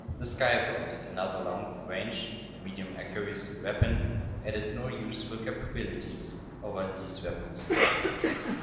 The Skybolt, another long-range medium-accuracy weapon, added no useful capabilities over these weapons.